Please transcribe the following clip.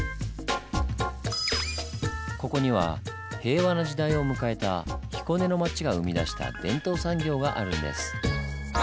ここには平和な時代を迎えた彦根の町が生み出した伝統産業があるんです。